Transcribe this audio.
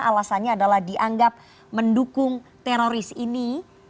alasannya adalah dianggap mendukung teroris ini